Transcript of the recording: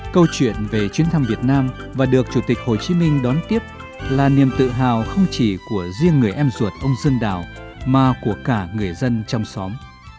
câu chuyện về chuyến thăm việt nam và được chủ tịch hồ chí minh đón tiếp là niềm tự hào không chỉ của riêng người em ruột ông dương đảo mà của cả người dân trong xóm